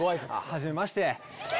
はじめまして。